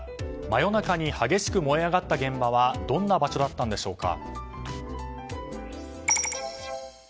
真夜中に激しく燃え上がった現場はどんな場所だったんでしょうか。